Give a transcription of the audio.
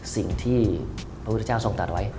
สิ่งที่พระพุทธเจ้าทรงตัดไว้